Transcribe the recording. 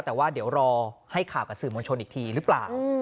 แต่ว่าเดี๋ยวรอให้ข่าวกับสื่อมวลชนอีกทีหรือเปล่า